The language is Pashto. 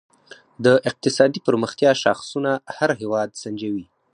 د اقتصادي پرمختیا شاخصونه هر هېواد سنجوي.